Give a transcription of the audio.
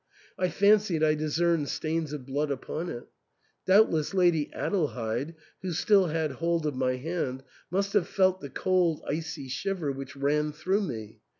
I fancied I discerned stains of blood upon it. Doubtless Lady Adelheid, who still had hold of my hand, must have felt the cold icy shiver which ran through me.